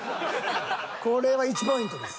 これは１ポイントです。